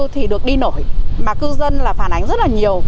thì được đi nổi mà cư dân là phản ánh rất là nhiều